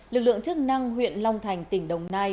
lực lượng chức năng huyện long thành tỉnh đồng nai